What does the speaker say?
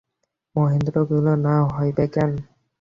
মহেন্দ্র কহিল, না হইবে কেন।